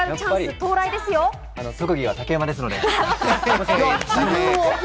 特技は竹馬ですので。